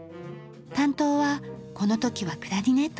担当はこの時はクラリネットでした。